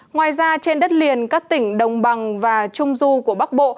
ngoài ra trên đất liền các tỉnh đồng bằng và trung du của bắc bộ